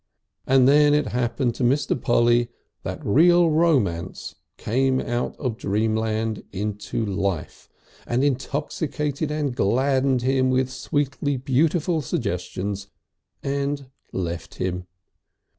And then it happened to Mr. Polly that real Romance came out of dreamland into life, and intoxicated and gladdened him with sweetly beautiful suggestions and left him.